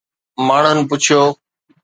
ماڻهن پڇيو